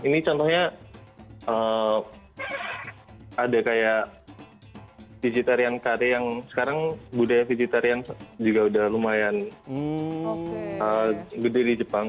ini contohnya ada kayak vegetarian karya yang sekarang budaya vegetarian juga udah lumayan gede di jepang